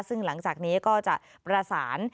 ซึ่งหลังจากนี้ก็จะประสาน